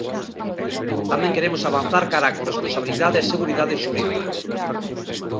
Tamén queremos avanzar cara á corresponsabilidade e seguridade xurídica.